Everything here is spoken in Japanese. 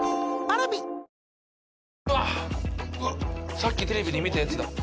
さっきテレビで見たやつだ